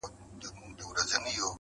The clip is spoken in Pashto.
په سلايي باندي د تورو رنجو رنگ را واخلي